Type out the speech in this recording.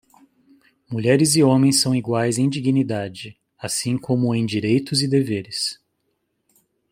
Mulheres e homens são iguais em dignidade, assim como em direitos e deveres.